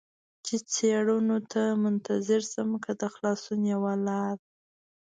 چې څېړنو ته منتظر شم، که د خلاصون یوه لار.